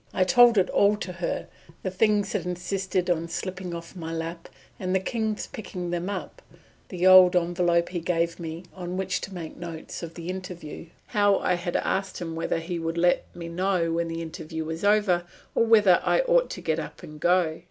I told it all to her, the things that insisted on slipping off my lap, and the King's picking them up; the old envelope he gave me on which to make notes of the interview; how I had asked him whether he would let me know when the interview was over, or whether I ought to get up and go!